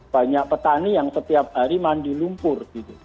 banyak petani yang setiap hari mandi lumpur